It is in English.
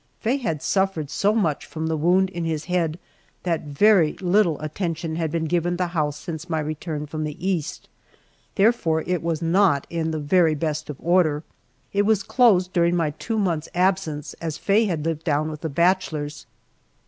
Faye had suffered so much from the wound in his head that very little attention had been given the house since my return from the East, therefore it was not in the very best of order. It was closed during my two months' absence, as Faye had lived down with the bachelors.